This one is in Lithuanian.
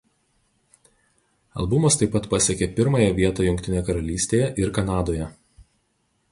Albumas taip pat pasiekė pirmąją vietą Jungtinėje Karalystėje ir Kanadoje.